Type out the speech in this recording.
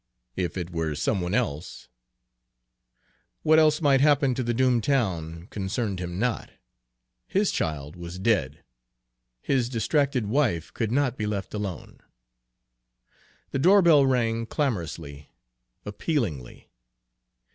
If it were some one else What else might happen to the doomed town concerned him not. His child was dead, his distracted wife could not be left alone. The doorbell rang clamorously appealingly.